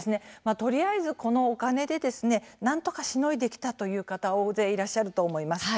とりあえず、このお金でなんとかしのいできたという方大勢いらっしゃると思います。